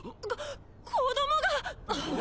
・こ子供が！